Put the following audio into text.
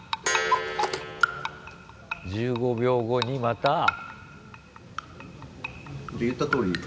１５秒後にまた？